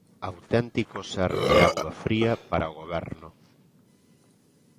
Auténtico xerro de auga fría para o Goberno.